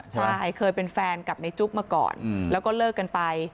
ใช่เคยเป็นแฟนกับในจุ๊กมาก่อนแล้วก็เลิกกันไป